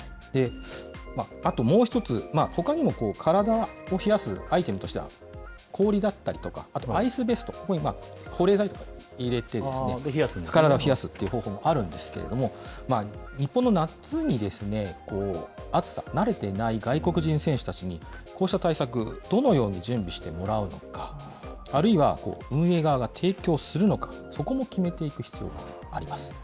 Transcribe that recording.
あともう一つ、ほかにも体を冷やすアイテムとしては、氷だったりとか、あとアイスベスト、ここに保冷剤とかを入れて、体を冷やすという方法もあるんですけれども、日本の夏に暑さ、慣れていない外国人選手たちにこうした対策、どのように準備してもらうのか、あるいは、運営側が提供するのか、そこも決めていく必要があります。